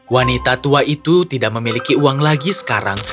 wanita tua itu tidak memiliki uang lagi sekarang